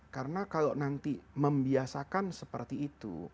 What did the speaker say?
karena kalau nanti membiasakan seperti itu